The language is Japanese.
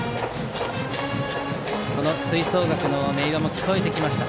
その吹奏楽部の音色も聞こえてきました。